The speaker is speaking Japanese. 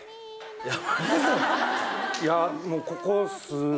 いやもうここ数年